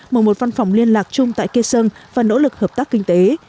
mở một văn phòng liên lạc chung tại kia sân và nỗ lực hợp tác kinh tế